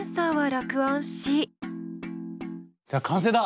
じゃあ完成だ！